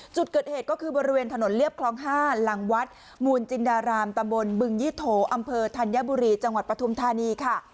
จุดเกิดเหตุก็คือบริเวณถนนเรียบคลอง๕หลังวัดมูลจินดารามตำบลบึงยี่โถอำเภอธัญบุรีจังหวัดปฐุมธานีค่ะ